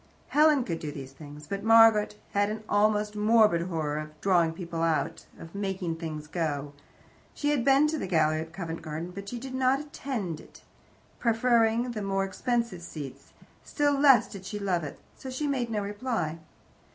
Helen could do these things. But Margaret had an almost morbid horror of "drawing people out," of "making things go." She had been to the gallery at Covent Garden, but she did not "attend" it, preferring the more expensive seats; still less did she love it. So she made no reply.